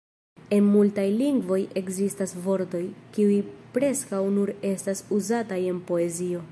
En multaj lingvoj ekzistas vortoj, kiuj preskaŭ nur estas uzataj en poezio.